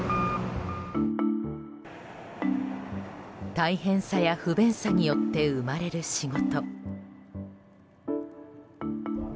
大変さや不便さによって生まれる仕事。